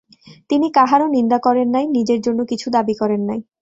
তিনি কাহারও নিন্দা করেন নাই, নিজের জন্য কিছু দাবী করেন নাই।